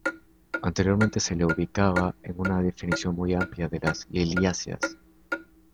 Anteriormente se la ubicaba en una definición muy amplia de las Liliáceas.